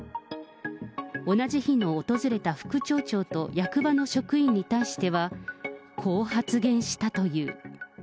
同じ日に訪れた副町長と役場の職員に対しては、こう発言したという。